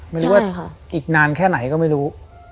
ไม่รู้ว่าอีกนานแค่ไหนก็ไม่รู้